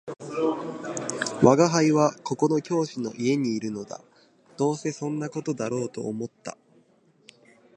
「吾輩はここの教師の家にいるのだ」「どうせそんな事だろうと思った